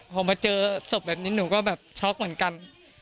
พอมาเจอศพแบบนี้หนูก็แบบช็อกเหมือนกัน